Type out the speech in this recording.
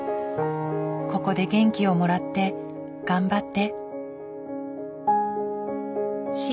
ここで元気をもらって頑張って。